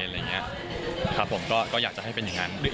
เห็นตอนที่อยากให้เป็นเงี้ยนะ